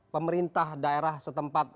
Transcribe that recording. pemerintah daerah setempat